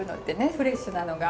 フレッシュなのが。